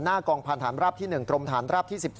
หน้ากลางพันธนราบที่๑ตรงฐานราบที่๑๔